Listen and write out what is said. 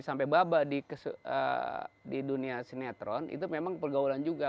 sampai baba di dunia sinetron itu memang pergaulan juga